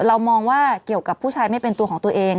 เรามองว่าเกี่ยวกับผู้ชายไม่เป็นตัวของตัวเอง